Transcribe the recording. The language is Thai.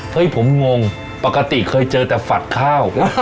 เฮ้ยผมงงปกติเคยเจอแต่ฝัดข้าว